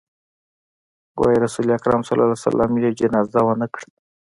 وايي رسول اکرم ص يې جنازه ونه کړه.